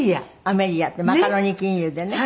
アメリアって『マカロニ金融』でね。